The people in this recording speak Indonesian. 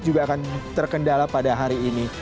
juga akan terkendala pada hari ini